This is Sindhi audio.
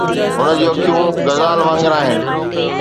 هن جون اکيون غزال وانگر آهن